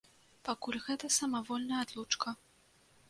Пакуль гэта самавольная адлучка.